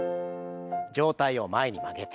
上体を前に曲げて。